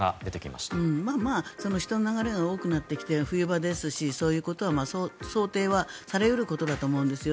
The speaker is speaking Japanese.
まあまあ人の流れ多くなってきて冬場ですし、そういうことは想定され得ることだと思うんです。